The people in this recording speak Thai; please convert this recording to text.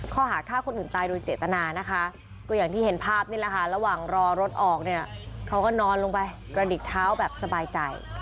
ข้อหาฆ่าคนอื่นตายโดยเจตนานะคะก็อย่างที่เห็นภาพนี่แหละค่ะระหว่างรอรถออกเนี่ยเขาก็นอนลงไปกระดิกเท้าแบบสบายใจ